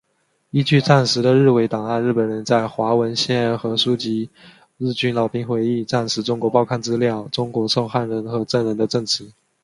依据战时的日伪档案、日本人在华文献和书籍、日军老兵回忆、战时中国报刊资料、中国受害者和证人的证词